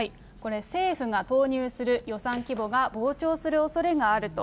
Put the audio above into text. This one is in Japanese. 政府が投入する予算規模が、膨張するおそれがあると。